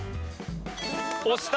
押した！